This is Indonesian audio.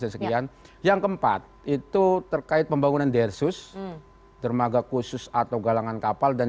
sekian yang keempat itu terkait pembangunan dersus dermaga khusus atau galangan kapal dan